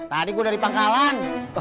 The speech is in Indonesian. tadi gue udah di pangkalan